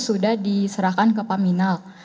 sudah diserahkan ke pak minal